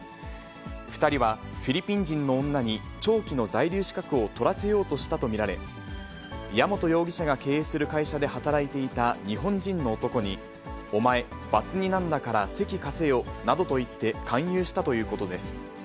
２人はフィリピン人の女に長期の在留資格を取らせようとしたと見られ、矢本容疑者が経営する会社で働いていた日本人の男に、お前、バツ２なんだから籍貸せよなどと言って勧誘したということです。